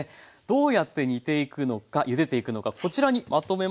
どうやって煮ていくのかゆでていくのかこちらにまとめました。